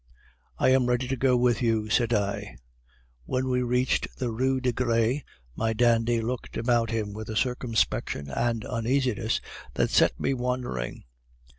"'I am ready to go with you,' said I. "When we reached the Rue de Gres, my dandy looked about him with a circumspection and uneasiness that set me wondering.